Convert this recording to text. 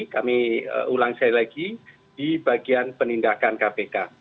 kami ulang sekali lagi di bagian penindakan kpk